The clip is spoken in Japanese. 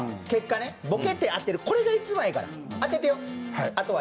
ボケて当てる、これが一番ええから、当ててや。